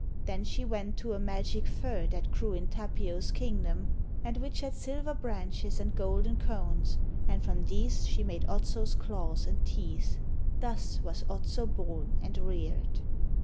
Then she went to a magic fir that grew in Tapio's kingdom, and which had silver branches and golden cones, and from these she made Otso's claws and teeth. Thus was Otso born and reared.'